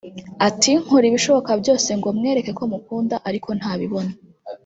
Ati “Nkora ibishoboka byose ngo mwereke ko mukunda ariko ntabibona